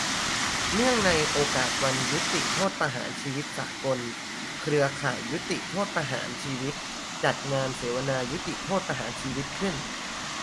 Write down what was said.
เนื่องในโอกาสวันยุติโทษประหารชีวิตสากล เครือข่ายยุติโทษประหารชีวิต จัดงานเสวนายุติโทษประหารชีวิตขึ้น